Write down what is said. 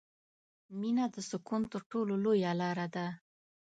• مینه د سکون تر ټولو لویه لاره ده.